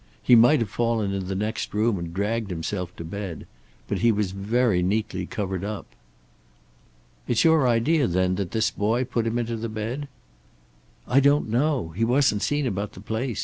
He might have fallen in the next room and dragged himself to bed. But he was very neatly covered up." "It's your idea, then, that this boy put him into the bed?" "I don't know. He wasn't seen about the place.